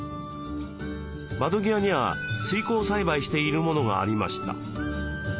窓際には水耕栽培しているものがありました。